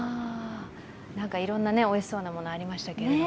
いろんな、おいしそうなものありましたけれども。